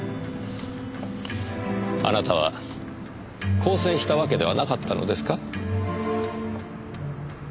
あなたは更生したわけではなかったのですか？